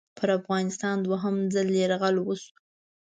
پر افغانستان دوهم ځل یرغل وشو.